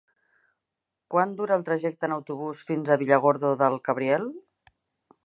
Quant dura el trajecte en autobús fins a Villargordo del Cabriel?